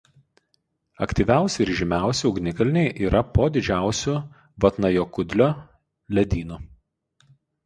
Aktyviausi ir žymiausi ugnikalniai yra po didžiausiu Vatnajokudlio ledynu.